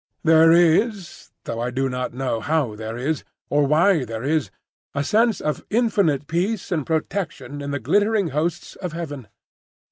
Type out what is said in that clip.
There is—though I do not know how there is or why there is—a sense of infinite peace and protection in the glittering hosts of heaven.